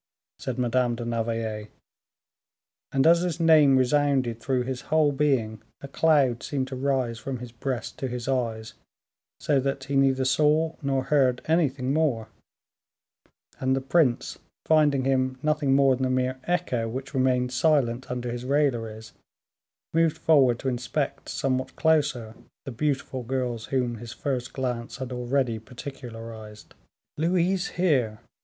said Madame de Navailles; and, as this name resounded through his whole being, a cloud seemed to rise from his breast to his eyes, so that he neither saw nor heard anything more; and the prince, finding him nothing more than a mere echo which remained silent under his railleries, moved forward to inspect somewhat closer the beautiful girls whom his first glance had already particularized. "Louise here!